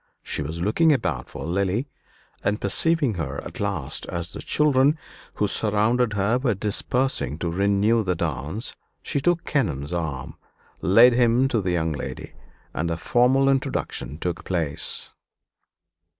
She was looking about for Lily; and perceiving her at last as the children who surrounded her were dispersing to renew the dance, she took Kenelm's arm, led him to the young lady, and a formal introduction took place.